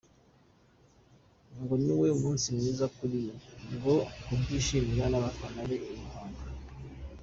Ngo niwo munsi mwiza kuri we wo kubyishimira n’abafana be i Muhanga.